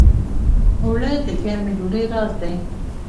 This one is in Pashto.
اوړه د ګرمې ډوډۍ راز دي